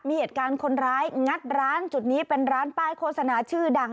มีเหตุการณ์คนร้ายงัดร้านจุดนี้เป็นร้านป้ายโฆษณาชื่อดัง